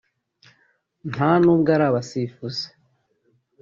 nta nubwo ari abasifuzi”